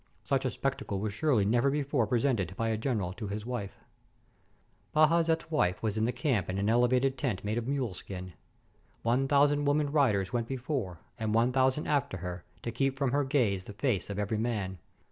Such a spectacle was surely never before pre sented by a general to his wife ! Bajazet's wife was in the camp in an elevated tent made of muleskin. One thousand women riders went be fore, and one thousand after her, to keep from her gaze the face of every man.